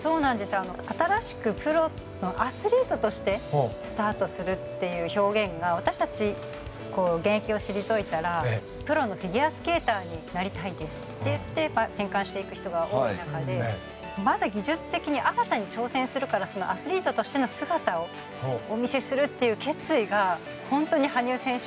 新しくプロのアスリートとしてスタートするっていう表現が私たち、現役を退いたらプロのフィギュアスケーターになりたいですって言って転換していく人が多いのでまだ技術的に新たに挑戦するからアスリートとしての姿をお見せするという決意が本当に羽生選手